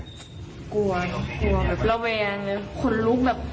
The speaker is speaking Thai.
กลัวแบบระเวนคนลุกแบบ